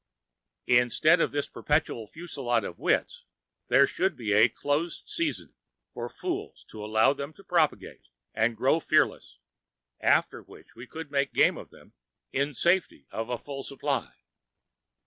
Instead of this perpetual fusillade of wits, there should be a "close season" for fools to allow them to propagate and grow fearless, after which we could make game of them in safety of a full supply.